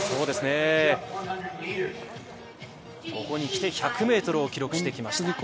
ここにきて１００ｍを記録してきました。